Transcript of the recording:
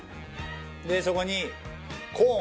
そこにコーン。